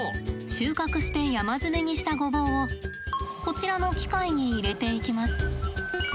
収穫して山積みにしたごぼうをこちらの機械に入れていきます。